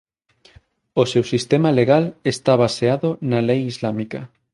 O seu sistema legal está baseado na lei islámica.